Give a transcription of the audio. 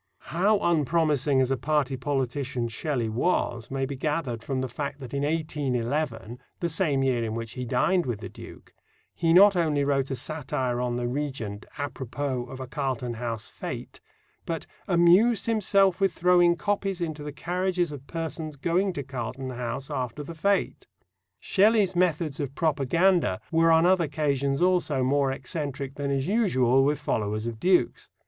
How unpromising as a party politician Shelley was may be gathered from the fact that in 1811, the same year in which he dined with the Duke, he not only wrote a satire on the Regent à propos of a Carlton House fête, but "amused himself with throwing copies into the carriages of persons going to Carlton House after the fête." Shelley's methods of propaganda were on other occasions also more eccentric than is usual with followers of dukes.